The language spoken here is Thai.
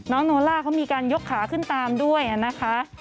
โนล่าเขามีการยกขาขึ้นตามด้วยนะคะ